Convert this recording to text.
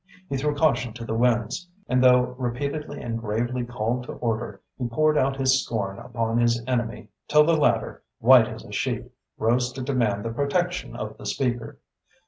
He threw caution to the winds, and though repeatedly and gravely called to order, he poured out his scorn upon his enemy till the latter, white as a sheet, rose to demand the protection of the Speaker.